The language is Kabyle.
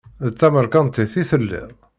D tamerkantit i telliḍ?